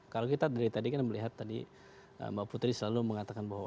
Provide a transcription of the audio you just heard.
kalau kita dari tadi kan melihat tadi mbak putri selalu mengatakan bahwa